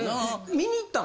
見に行ったの？